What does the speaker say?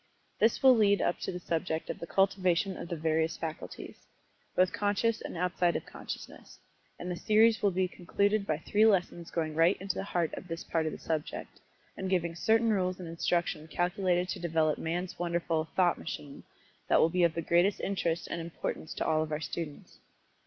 This will lead up to the subject of the cultivation of the various faculties both conscious and outside of consciousness, and the series will be concluded by three lessons going right to the heart of this part of the subject, and giving certain rules and instruction calculated to develop Man's wonderful "thought machine" that will be of the greatest interest and importance to all of our students.